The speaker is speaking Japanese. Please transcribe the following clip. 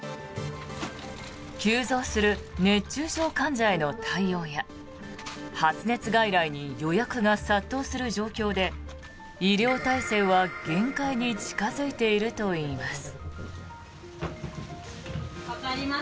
急増する熱中症患者への対応や発熱外来に予約が殺到する状況で医療体制は限界に近付いているといいます。